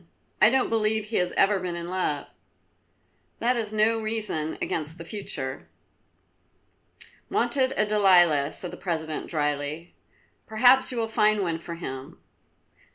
I don't believe he has ever been in love." "That is no reason against the future." "Wanted a Delilah," said the President dryly. "Perhaps you will find one for him."